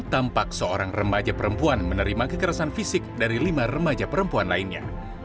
tampak seorang remaja perempuan menerima kekerasan fisik dari lima remaja perempuan lainnya